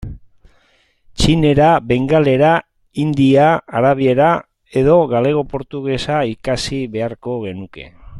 Txinera, bengalera, hindia, arabiera, edo galego-portugesa ikasi beharko genuke.